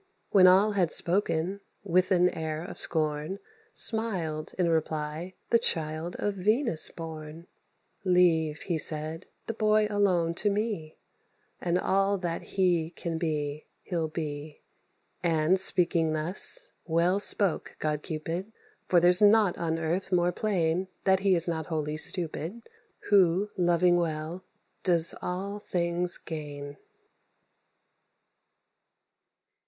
When all had spoken, with an air of scorn Smiled, in reply, the child of Venus born: "Leave," he said, "the boy alone to me, And all that he can be he'll be." And, speaking thus, well spoke god Cupid; For there's nought on earth more plain That he is not wholly stupid Who, loving well, does all things gain.